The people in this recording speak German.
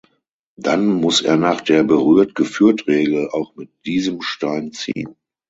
Dann muss er nach der Berührt-Geführt-Regel auch mit diesem Stein ziehen.